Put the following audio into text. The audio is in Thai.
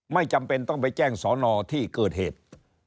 ไม่จำเป็นต้องไปแจ้งสอนอที่เกิดเหตุ